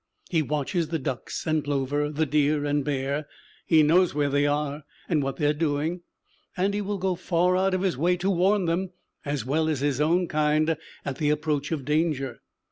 He watches the ducks and plover, the deer and bear; he knows where they are, and what they are doing; and he will go far out of his way to warn them, as well as his own kind, at the approach of danger.